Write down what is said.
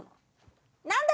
何だ？